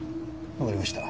わかりました。